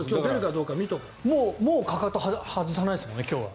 もう、かかと外さないですよね、今日は。